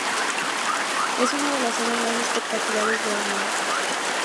Es una de las zonas más espectaculares de Omán.